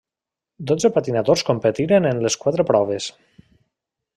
Dotze patinadors competiren en les quatre proves.